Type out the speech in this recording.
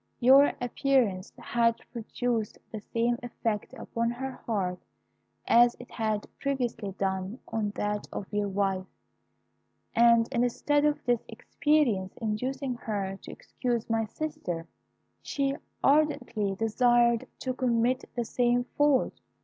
Your appearance had produced the same effect upon her heart as it had previously done on that of your wife, and instead of this experience inducing her to excuse my sister, she ardently desired to commit the same fault.